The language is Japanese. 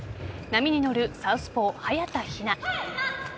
波に乗るサウスポー・早田ひな。